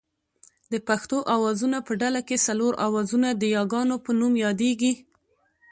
د پښتو آوازونو په ډله کې څلور آوازونه د یاګانو په نوم یادېږي